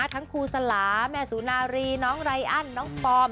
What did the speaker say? ครูสลาแม่สุนารีน้องไรอันน้องฟอร์ม